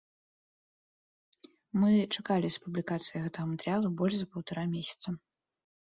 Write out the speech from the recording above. Мы чакалі з публікацыяй гэтага матэрыялу больш за паўтара месяца.